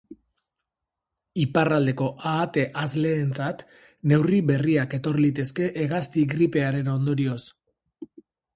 Iparraldeko ahate hazleentzat neurri berriak etor litezke hegazti gripearen ondorioz.